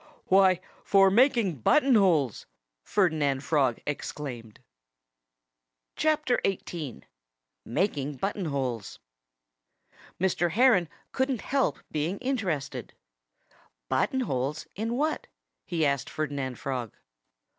"Why, for making button holes!" Ferdinand Frog exclaimed. XVIII MAKING BUTTON HOLES Mr. Heron couldn't help being interested. "Button holes in what?" he asked Ferdinand Frog.